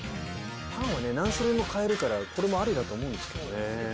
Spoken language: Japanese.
パンは何種類も買えるから、これもありだと思うんですよね。